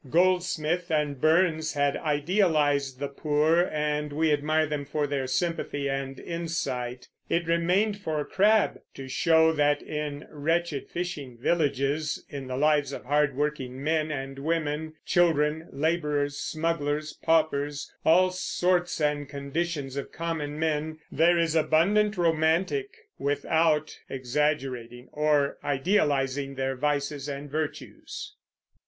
Goldsmith and Burns had idealized the poor, and we admire them for their sympathy and insight. It remained for Crabbe to show that in wretched fishing villages, in the lives of hardworking men and women, children, laborers, smugglers, paupers, all sorts and conditions of common men, there is abundant romantic without exaggerating or idealizing their vices and virtues.